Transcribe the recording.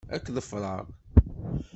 Ad k-ḍefṛeɣ.